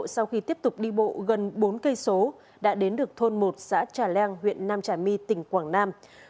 sau khi tiếp tục đi bộ gần bốn cây số đã đến được thôn một xã trà leng huyện nam trà my tỉnh quảng nam